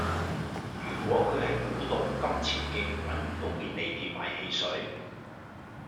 如果佢喺古洞金錢徑搵唔到便利店買汽水